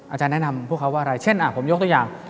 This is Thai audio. อาจารย์แนะนำพวกเขาว่าอะไรเช่นผมยกตัวอย่าง